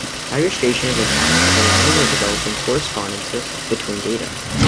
Registration is the task of aligning or developing correspondences between data.